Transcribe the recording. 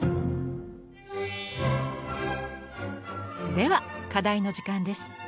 では課題の時間です。